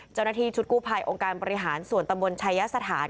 เจ้าหน้าที่ชุดกู้ภัยองค์การบริหารส่วนตำบลชายสถาน